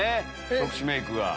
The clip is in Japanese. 特殊メークが。